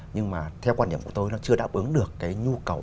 nhưng mà theo quan điểm của tôi nó chưa đáp ứng được cái nhu cầu